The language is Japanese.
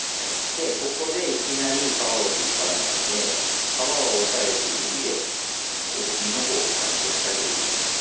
でここでいきなり皮を引っ張らないで皮は押さえて指でこう身の方を下に押してあげるイメージ。